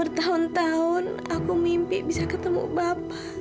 bertahun tahun aku mimpi bisa ketemu bapak